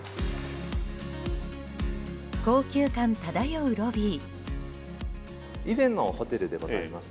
高級感漂うロビー。